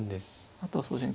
あとはそうですね